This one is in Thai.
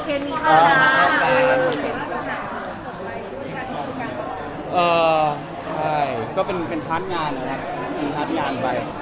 เอ่อใช่ก็เป็นทางงาน